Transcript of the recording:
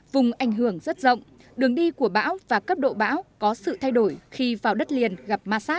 vùng ảnh hưởng rất rộng đường đi của bão và cấp độ bão có sự thay đổi khi vào đất liền gặp massag